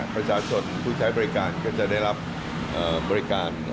ประชาชนผู้ใช้บริการก็จะได้รับบริการ